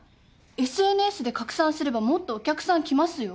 ＳＮＳで拡散すればもっとお客さん来ますよ。